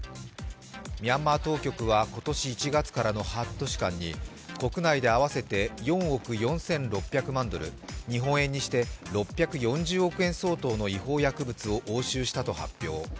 ミャンマー当局は今年１月からの半年間に国内で合わせて４億４６００万ドル、日本円にして６４０億円相当の違法薬物を押収したと発表。